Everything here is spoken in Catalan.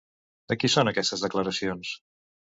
De qui són aquestes declaracions?